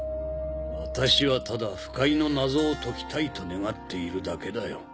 私はただ腐海の謎を解きたいと願っているだけだよ